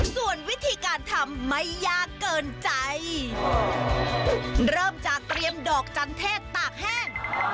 ส่วนวิธีการทำไม่ยากเกินใจเริ่มจากเตรียมดอกจันเทศตากแห้ง